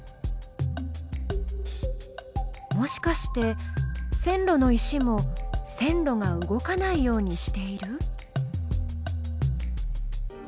もしかして線路の石も線路が動かないようにしている？